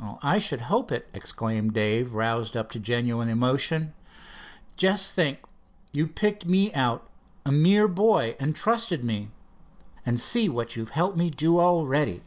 "I should hope it," exclaimed Dave, roused up to genuine emotion. "Just think you picked me out, a mere boy, and trusted me. And see what you helped me do, already!"